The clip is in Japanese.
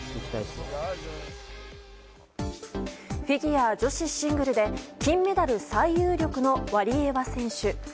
フィギュア女子シングルで金メダル最有力のワリエワ選手。